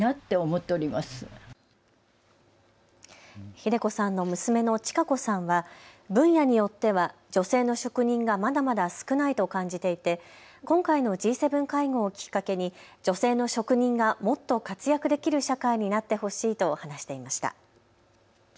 秀子さんの娘の央子さんは分野によっては女性の職人がまだまだ少ないと感じていて今回のＧ７会合をきっかけに女性の職人がもっと活躍できる社会になってほしいと話していました。